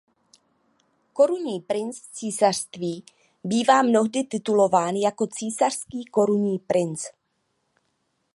Korunní princ v císařství bývá mnohdy titulován jako císařský korunní princ.